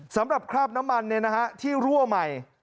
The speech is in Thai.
สำหรับคราบน้ำมันเนี่ยนะฮะที่รั่วใหม่